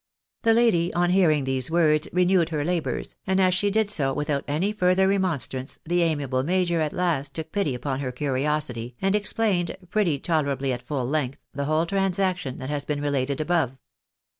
The lady, on hearing these words, renewed her labours, and as she did so without any further remonstrance, the amiable major at last took pity upon her curiosity, and explained, pretty tolerably at full length, the whole transaction that has been related above.